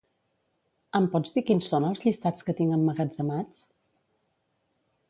Em pots dir quins són els llistats que tinc emmagatzemats?